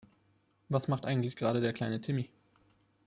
Was macht eigentlich gerade der kleine Timmy?